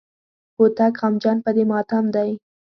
هوتک غمجن په دې ماتم دی.